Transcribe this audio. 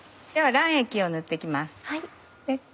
では卵液を塗って行きます。